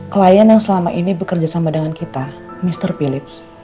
klien yang selama ini bekerja sama dengan kita mr philips